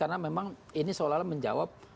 karena memang ini seolah olah menjawab